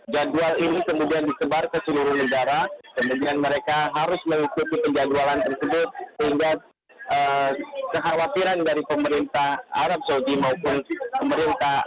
jadwal ini kemudian disebar ke seluruh negara kemudian mereka harus mengikuti penjadwalan tersebut sehingga kekhawatiran dari pemerintah arab saudi maupun pemerintah